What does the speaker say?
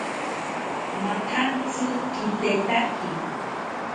Mathantzi kitetaki